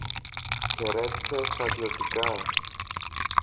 χαιρέτησε στρατιωτικά.